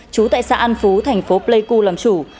chú tại xã an phú thành phố pleiku làm chủ